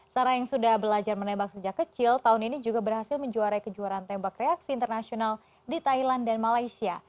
sarah yang sudah belajar menembak sejak kecil tahun ini juga berhasil menjuarai kejuaraan tembak reaksi internasional di thailand dan malaysia